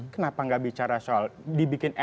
kenapa nggak bicara soal dibikin